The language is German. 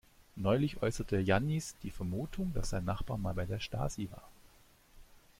Neulich äußerte Jannis die Vermutung, dass sein Nachbar mal bei der Stasi war.